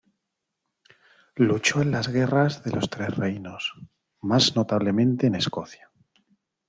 Luchó en las guerras de los Tres Reinos, más notablemente en Escocia.